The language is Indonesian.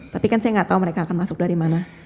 tapi kan saya nggak tahu mereka akan masuk dari mana